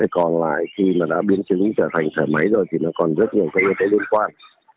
còn lại khi đã biến chứng trở thành thở máy rồi thì còn rất nhiều yếu tế liên quan